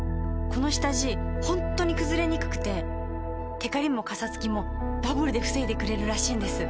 この下地ホントにくずれにくくてテカリもカサつきもダブルで防いでくれるらしいんです。